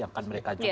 yang kan mereka juga